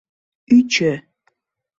ӰЧӦ